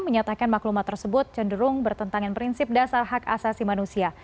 menyatakan maklumat tersebut cenderung bertentangan prinsip dasar hak asasi manusia